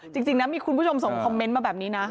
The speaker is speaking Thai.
จริงนะมีคุณผู้ชมส่งคอมเมนต์มาแบบนี้นะ